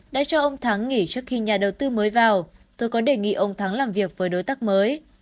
đã cho ông thắng nghỉ trước khi nhà đầu tư mới vào tôi có đề nghị ông thắng làm việc với đối tác mới